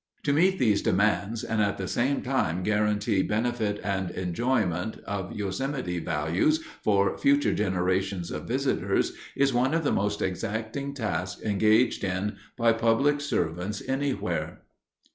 To meet these demands and at the same time guarantee "benefit and enjoyment" of Yosemite values for future generations of visitors is one of the most exacting tasks engaged in by public servants anywhere.